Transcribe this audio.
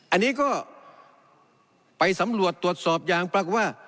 อันนี้ก็ไปสำรวจตรวจสอบยางปรากฏว่า